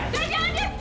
diri jangan diri